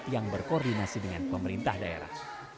yang berkoordinasi dengan pemerintah daerah